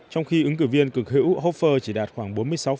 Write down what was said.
trong khi ứng cử viên cực hữu hofer chỉ đạt khoảng bốn mươi sáu bốn